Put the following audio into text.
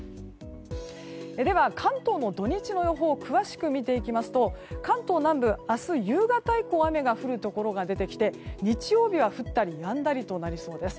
では、関東の土日の予報を詳しく見ていきますと関東南部、明日夕方以降雨が降るところが出てきて日曜日は降ったりやんだりとなりそうです。